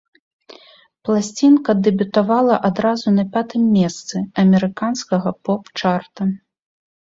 Пласцінка дэбютавала адразу на пятым месцы амерыканскага поп-чарта.